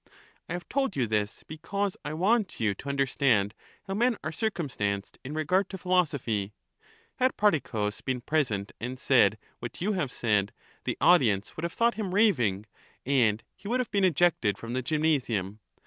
I have told you this because I want you to understand how men are circumstanced in regard to philosophy. Had Prodicus been present and said what you have said, the audience would have thought him raving, and he would have been ejected from the gymnasium.